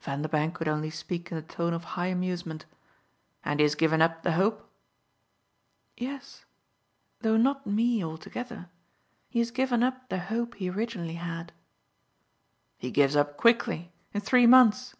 Vanderbank could only speak in the tone of high amusement. "And he has given up the hope?" "Yes though not ME altogether. He has given up the hope he originally had." "He gives up quickly in three months!"